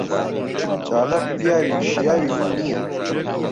چالاک پیاوی شیاوی من نییە.